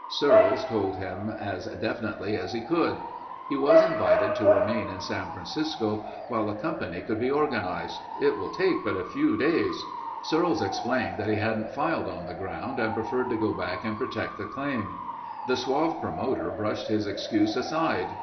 Searles told him as definitely as he could. He was invited to remain in San Francisco while a company could be organized. "It will take but a few days...." Searles explained that he hadn't filed on the ground and preferred to go back and protect the claim. The suave promoter brushed his excuse aside.